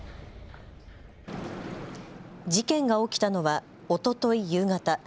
事件が起きたのはおととい夕方。